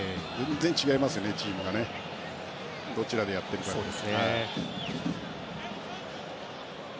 全然違いますね、チームがどちらでやっているかで。